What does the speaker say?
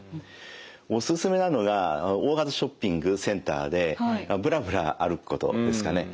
おすすめなのが大型ショッピングセンターでぶらぶら歩くことですかね。